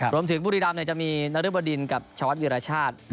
รวมถึงบุรีรามเนี่ยจะมีนรบดินกับชาวัดวิรชาติ